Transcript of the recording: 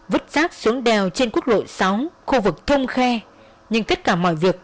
vứt rác xuống đèo trên quốc lộ sáu khu vực thông khe nhưng tất cả mọi việc